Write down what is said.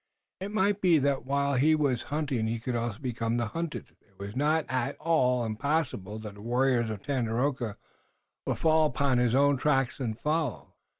It might be that while he was hunting he could also become the hunted. It was not at all impossible that the warriors of Tandakora would fall upon his own track and follow.